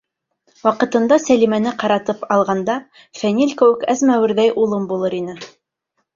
Ваҡытында Сәлимәне ҡаратып алғанда, Фәнил кеүек әзмәүерҙәй улым булыр ине.